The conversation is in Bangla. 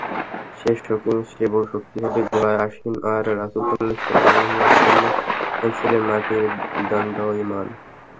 সে বড় শক্তিশালী ঘোড়ায় আসীন আর রাসূল সাল্লাল্লাহু আলাইহি ওয়াসাল্লাম ছিলেন মাটিতে দণ্ডায়মান।